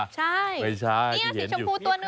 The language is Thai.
ใช่นี่สีชมพูตัวหนึ่ง